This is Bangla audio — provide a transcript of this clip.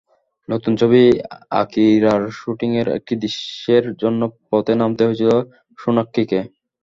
নতুন ছবি আকিরার শুটিংয়ের একটি দৃশ্যের জন্য পথে নামতে হয়েছিল সোনাক্ষীকে।